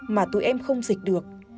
mà tụi em không dịch được